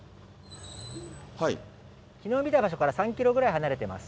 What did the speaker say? きのう見た場所から３キロぐらい離れてます。